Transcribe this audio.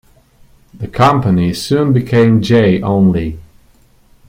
The company soon became J only.